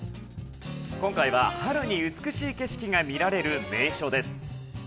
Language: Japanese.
今回は春に美しい景色が見られる名所です。